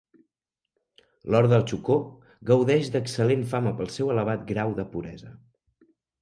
L'or del Chocó gaudeix d'excel·lent fama pel seu elevat grau de puresa.